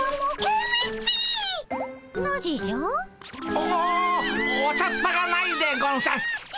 おお茶っ葉がないでゴンス。